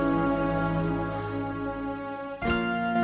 nanti bilangin minum obatnya sesuai dosis ya